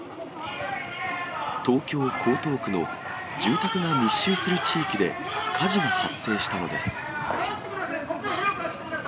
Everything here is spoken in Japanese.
東京・江東区の住宅が密集する地域で、火事が発生したのです。